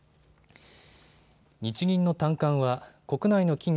日銀の短観は国内の企業